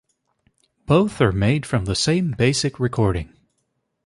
Both are made from the same basic recording.